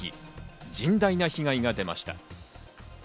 甚大な被害が出ました。